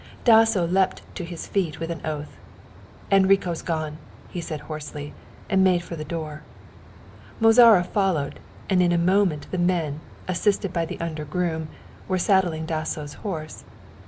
Dasso leapt to his feet with an oath. "Enrico's gone," he said hoarsely, and made for the door. Mozara followed, and in a moment the men, assisted by the under groom, were saddling Dasso's horse.